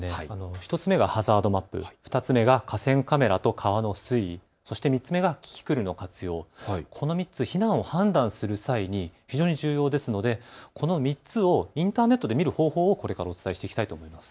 １つ目がハザードマップ、２つ目が河川カメラと川の水位、そして３つ目がキキクルの活用、この３つ非難を判断する際に非常に重要ですので、この３つをインターネットで見る方法をこれからお伝えしていきたいと思います。